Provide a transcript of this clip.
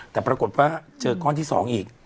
แต่ปรากฏว่าเจอก้อนที่๒อีก